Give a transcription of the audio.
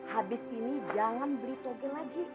habis ini jangan beli toge lagi